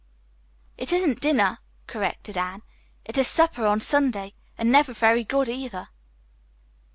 "It isn't dinner," corrected Anne. "It is supper on Sunday, and never very good, either."